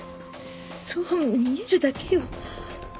そう見えるだけよ。